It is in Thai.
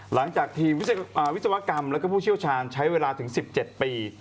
หลังจากทีมวิศวกรรมและผู้เชี่ยวชาญใช้เวลาถึง๑๗ปี